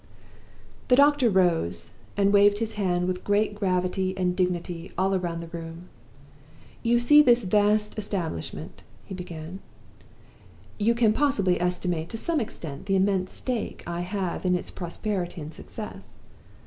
"The doctor rose, and waved his hand with great gravity and dignity all round the room. 'You see this vast establishment,' he began; 'you can possibly estimate to some extent the immense stake I have in its prosperity and success.